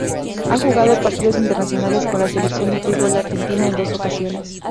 Ha jugado partidos internacionales con la Selección de fútbol de Argentina en dos ocasiones.